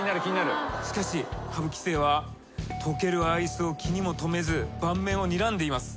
しかし羽生棋聖はとけるアイスを気にも留めず盤面をにらんでいます。